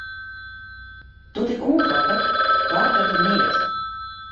Doe't ik oankloppe, barde der neat.